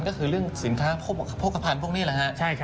ก็คือเรื่องสินค้าโภคภัณฑ์พวกนี้แหละฮะ